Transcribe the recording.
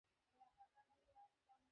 কোচের কারণেই আমরা মনোবল হারাইনি।